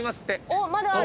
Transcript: おっまだある？